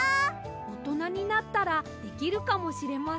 おとなになったらできるかもしれませんね！